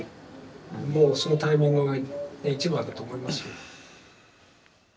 もう、そのタイミングがいちばんだと思いますよ。